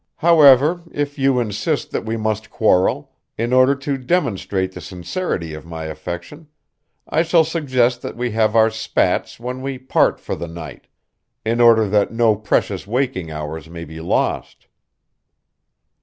However if you insist that we must quarrel, in order to demonstrate the sincerity of my affection, I shall suggest that we have our spats when we part for the night, in order that no precious waking hours may be lost."